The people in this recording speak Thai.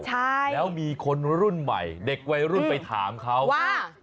ใช่แล้วมีคนรุ่นใหม่เด็กวัยรุ่นไปถามเขาว่า